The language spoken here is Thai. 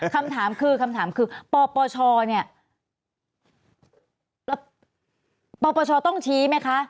คำถามคือคำถามคือปปชเนี่ยแล้วปปชต้องชี้ไหมคะ